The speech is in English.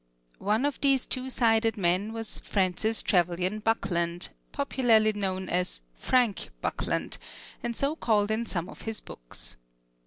One of these two sided men was Francis Trevelyan Buckland, popularly known as "Frank" Buckland, and so called in some of his books.